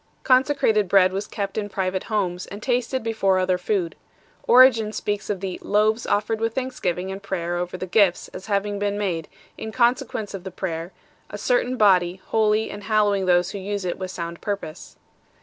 Consecrated bread was kept in private houses, and tasted before other food 7 . Origen 8 speaks of the " loaves offered with thanksgiving and prayer over the gifts " as having been made, in consequence of the prayer, " a certain body, holy and hallowing those who use it with sound purpose."